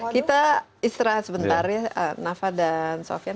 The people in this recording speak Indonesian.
kita istirahat sebentar ya nafa dan sofian